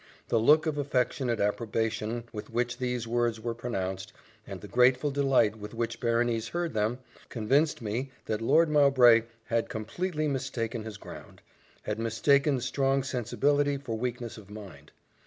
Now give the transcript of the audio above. The look of affectionate approbation with which these words were pronounced, and the grateful delight with which Berenice heard them, convinced me that Lord Mowbray had completely mistaken his ground had mistaken strong sensibility for weakness of mind.